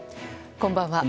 こんばんは。